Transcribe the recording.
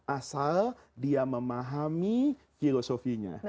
asal dia memahami filosofinya